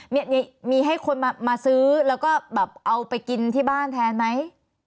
มีมีให้คนมาซื้อแล้วก็แบบเอาไปกินที่บ้านแทนไหม